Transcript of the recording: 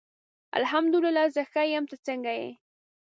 الحمد الله زه ښه یم ته څنګه یی